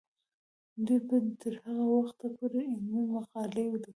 دوی به تر هغه وخته پورې علمي مقالې لیکي.